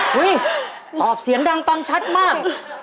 ตอบเสียงดังฟังชัดมาก